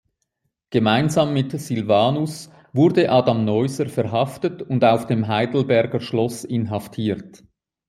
Gemeinsam mit Sylvanus wurde Adam Neuser verhaftet und auf dem Heidelberger Schloss inhaftiert.